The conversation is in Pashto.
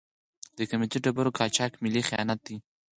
د قیمتي ډبرو قاچاق ملي خیانت دی.